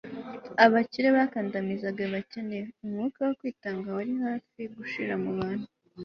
abakire bakandamizaga abakene; umwuka wo kwitanga wari hafi gushira mu bantu